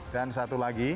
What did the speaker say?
dan satu lagi